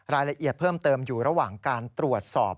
รายละเอียดเพิ่มเติมอยู่ระหว่างการตรวจสอบ